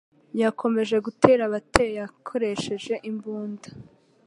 Yakomeje gutera abateye akoresheje imbunda.